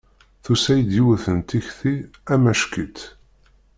Tusa-iyi-d yiwet n tikti amacki-tt.